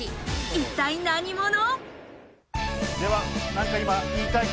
一体何者？